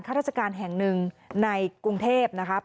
ราชการแห่งหนึ่งในกรุงเทพนะครับ